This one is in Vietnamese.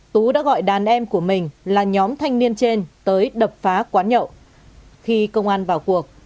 tú đã gọi đàn em của mình là nhóm thanh niên trên tới đập phá quán nhậu khi công an vào cuộc